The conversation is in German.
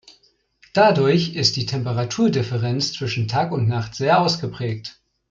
Dadurch ist die Temperaturdifferenz zwischen Tag und Nacht sehr ausgeprägt.